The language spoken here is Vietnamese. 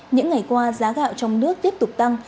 những ngày qua giá gạo trong nước tiếp tục tăng